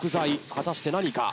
果たして何か？